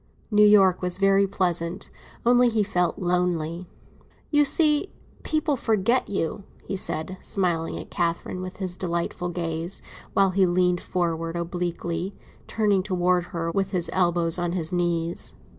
New York was very pleasant, only he felt lonely. "You see, people forget you," he said, smiling at Catherine with his delightful gaze, while he leaned forward obliquely, turning towards her, with his elbows on his knees.